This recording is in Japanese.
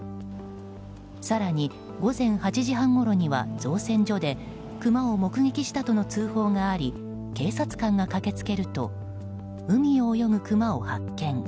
更に、午前８時半ごろには造船所でクマを目撃したとの通報があり警察官が駆け付けると海を泳ぐクマを発見。